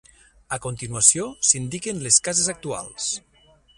A continuació s'indiquen les cases actuals.